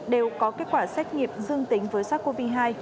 đều có kết quả xét nghiệm dương tính với sars cov hai